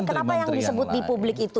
kenapa yang disebut di publik itu